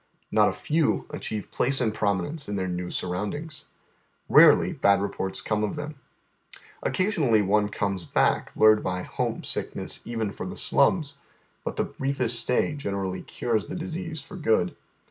Not a few achieve place and prominence in tlieir new surroundings. Karoly bad reports come of them. Occasionally one comes back, lured by Iiomesick nesB even for the slums ; but the briefest stay generally cures the disease for good.